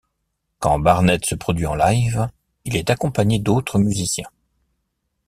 Quand Barnett se produit en live, il est accompagné d'autres musiciens.